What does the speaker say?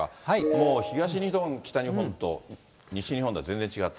もう東日本、北日本と、西日本では全然違って。